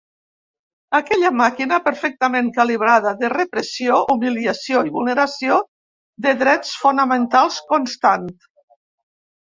Aquella màquina perfectament calibrada de repressió, humiliació i vulneració de drets fonamentals constant.